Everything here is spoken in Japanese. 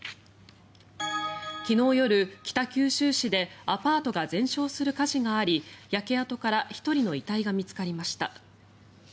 昨日夜、北九州市でアパートが全焼する火事があり焼け跡から１人の遺体が見つかりました。